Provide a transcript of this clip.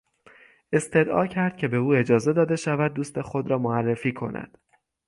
استدعا کرد که به او اجازه داده شود دوست خود را معرفی کند.